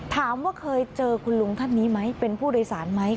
ถามว่าเคยเจอคุณลุงท่านนี้ไหมเป็นผู้โดยสารไหม